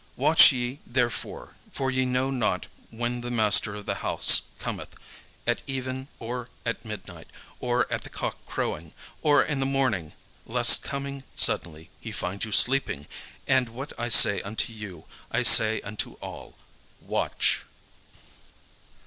Watch ye therefore: for ye know not when the master of the house cometh, at even, or at midnight, or at the cock crowing, or in the morning: lest coming suddenly he find you sleeping. And what I say unto you I say unto all, Watch."